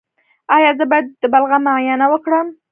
ایا زه باید د بلغم معاینه وکړم؟